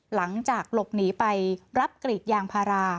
หลังจากหลบหนีไปรับกรีดยางพารา